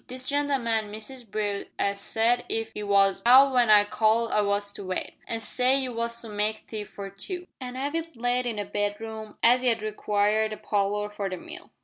This gen'leman, Mr Brute, 'e said if 'e was hout w'en I called I was to wait, an' say you was to make tea for two, an' 'ave it laid in the bedroom as 'e'd require the parlour for the mill."